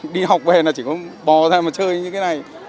đi học về là chỉ có bò ra mà chơi như thế này